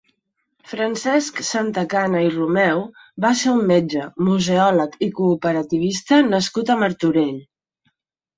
Francesc Santacana i Romeu va ser un metge, museòleg i cooperativista nascut a Martorell.